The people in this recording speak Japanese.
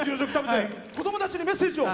子どもたちにメッセージを！